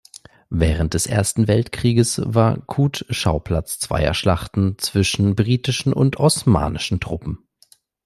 Während des Ersten Weltkrieges war Kut Schauplatz zweier Schlachten zwischen britischen und osmanischen Truppen.